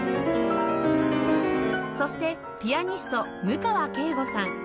そしてピアニスト務川慧悟さん